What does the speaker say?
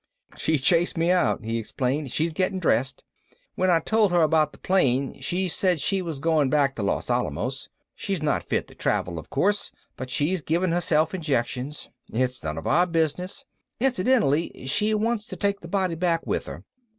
"She chased me out," he explained. "She's getting dressed. When I told her about the plane, she said she was going back to Los Alamos. She's not fit to travel, of course, but she's giving herself injections. It's none of our business. Incidentally, she wants to take the body back with her.